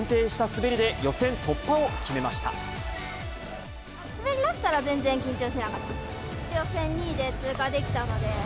滑りだしたら、全然、緊張しなかったです。